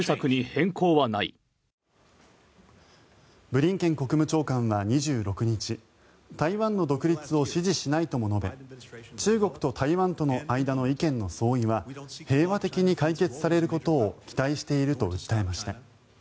ブリンケン国務長官は２６日台湾の独立を支持しないとも述べ中国と台湾との間の意見の相違は平和的に解決されることを期待していると訴えました。